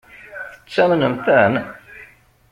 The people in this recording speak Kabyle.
Tettamnemt-ten?